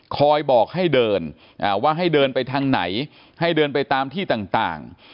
คอยบอกให้เดินว่าให้เดินไปทางไหนให้เดินไปตามที่ต่าง